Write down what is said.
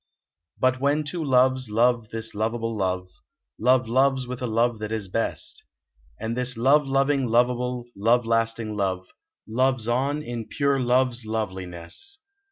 Hut, when two loves love this lovable love. Love loves with a love that is best ; And this love loving, lovable, love lasting love Loves on in pure love s loveliness.